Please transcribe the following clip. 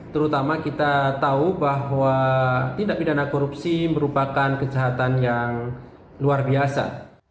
terutama kita tahu bahwa tindak pidana korupsi merupakan kejahatan yang luar biasa